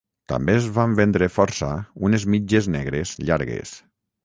També es van vendre força unes mitges negres llargues.